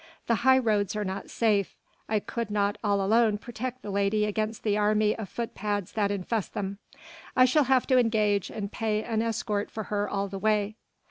The high roads are not safe. I could not all alone protect the lady against the army of footpads that infest them, I shall have to engage and pay an escort for her all the way.